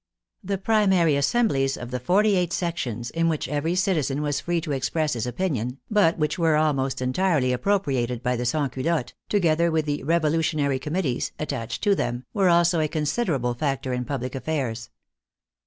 The primary assemblies of the forty eight sec tions, in which every citizen was free to express his opin ion, but which were almost entirely appropriated by the Sansculottes, together with the " revolutionary commit tees " attached to them, were also a considerable factor in public affairs.